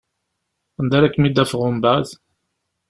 Anda ara kem-id-afeɣ umbeɛd?